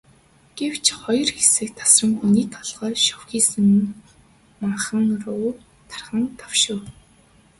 Гэвч хоёр хэсэг тасран, хүний толгой шовсхийсэн манхан руу таран давшив.